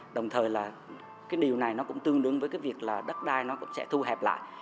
đồng thời điều này cũng tương đương với việc đất đai sẽ thu hẹp lại